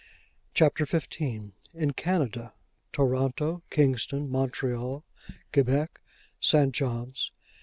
CHAPTER XV IN CANADA; TORONTO; KINGSTON; MONTREAL; QUEBEC; ST. JOHN'S.